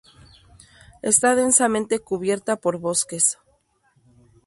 Está densamente cubierta por bosques.